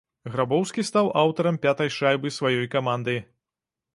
Грабоўскі стаў аўтарам пятай шайбы сваёй каманды.